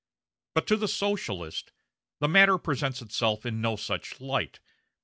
But to the Socialist the matter presents itself in no such light.